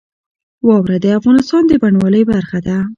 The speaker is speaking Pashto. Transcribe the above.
واوره د افغانستان د بڼوالۍ برخه ده.